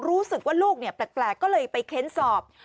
รู้สึกว่าลูกแปลกก็เลยไปเค้นสอบ